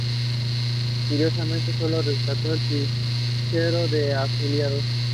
Curiosamente, sólo se rescató el fichero de afiliados.